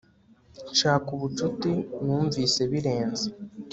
nshaka ubucuti, numvise birenze